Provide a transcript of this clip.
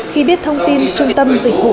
khi biết thông tin trung tâm dịch vụ